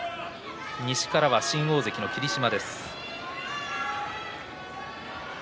西からは新大関の霧島です。